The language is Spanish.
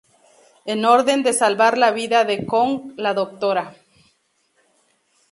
En orden de salvar la vida de Kong, la Dra.